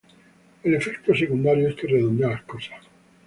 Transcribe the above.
El efecto secundario es que redondea las cosas.